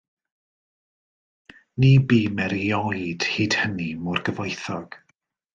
Ni bûm erioed hyd hynny mor gyfoethog.